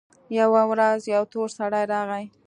يوه ورځ يو تور سړى راغى.